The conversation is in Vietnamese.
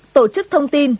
tổ chức thông tin